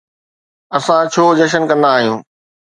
اسان ڇو جشن ڪندا آهيون؟